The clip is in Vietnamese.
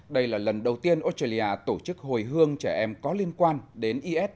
đây là lần đầu tiên australia tổ chức hồi hương trẻ em có liên quan đến is